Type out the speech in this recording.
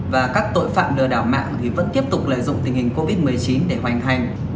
và các tội phạm lừa đảo mạng thì vẫn tiếp tục lợi dụng tình hình covid một mươi chín để hoàn thành